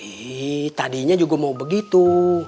ini tadinya juga mau begitu